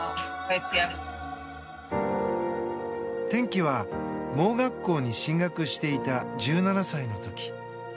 転機は盲学校に進学していた１７歳の時。